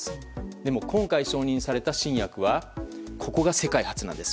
でも、今回承認された新薬はここが世界初なんです。